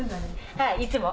はいいつも。